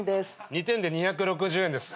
２点で２６０円です。